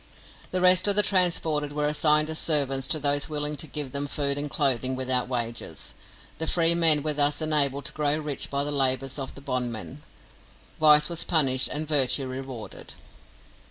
The rest of the transported were assigned as servants to those willing to give them food and clothing without wages. The free men were thus enabled to grow rich by the labours of the bondmen vice was punished and virtue rewarded.